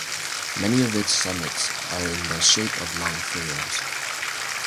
Many of its summits are in the shape of long furrows.